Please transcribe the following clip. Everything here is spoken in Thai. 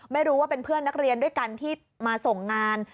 ไม่รู้ว่าเป็นเพื่อนนักเรียนด้วยกันที่มาส่งงาน